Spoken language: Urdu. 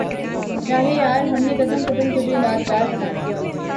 رہ یار ہم نے قدم قدم تجھے یادگار بنا دیا